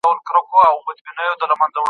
موږ یوازې په تیوري تکیه نسو کولای.